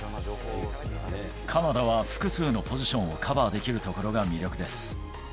鎌田は複数のポジションをカバーできるところが魅力です。